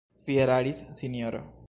Vi eraris, sinjoro!